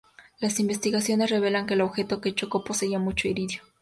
Las investigaciones revelan que el objeto que choco poseía mucho iridio.